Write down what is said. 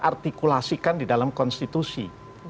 artikulasikan di dalam konstitusi